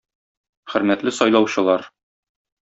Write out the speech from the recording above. Хөрмәтле сайлаучылар!